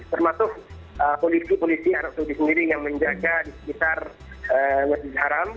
termasuk polisi polisi arab saudi sendiri yang menjaga di sekitar masjidil haram